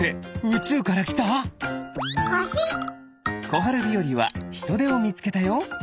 小春日和はヒトデをみつけたよ。